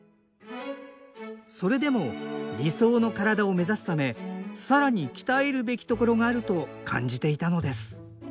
それでも理想の体を目指すため更に鍛えるべきところがあると感じていたのです